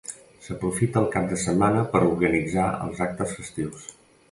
S'aprofita el cap de setmana per organitzar els actes festius.